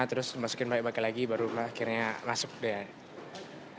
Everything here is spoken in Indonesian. terus masukin baik baik lagi baru akhirnya masuk deh